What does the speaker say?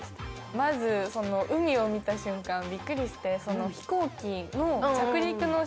まずその海を見た瞬間びっくりして。